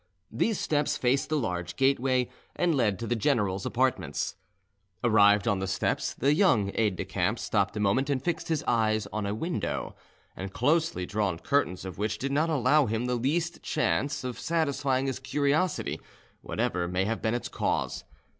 These steps faced the large gateway, and led to the general's apartments. Arrived on the steps, the young aide de camp stopped a moment and fixed his eyes on a window, the closely drawn curtains of which did not allow him the least chance of satisfying his curiosity, whatever may have been its cause.